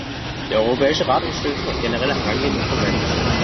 Der Europäische Rat unterstützt das generelle Herangehen des Konvents.